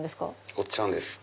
おっちゃんです。